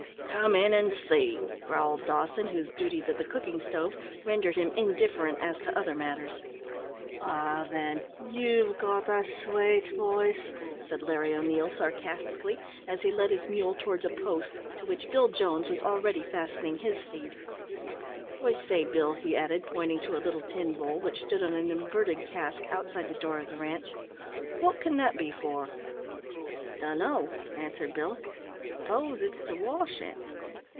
"Come in an' see," growled Dawson, whose duties at the cooking stove rendered him indifferent as to other matters. "Ah, thin, ye've got a swate voice," said Larry O'Neil, sarcastically, as he led his mule towards a post, to which Bill Jones was already fastening his steed. "I say, Bill," he added, pointing to a little tin bowl which stood on an inverted cask outside the door of the ranche, "wot can that be for?" "Dunno," answered Bill; "s'pose it's to wash in."